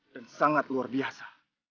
dan sangat luar biasa